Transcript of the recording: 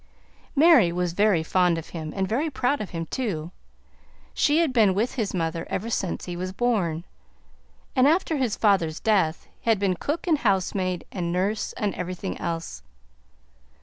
Mary was very fond of him, and very proud of him, too. She had been with his mother ever since he was born; and, after his father's death, had been cook and housemaid and nurse and everything else.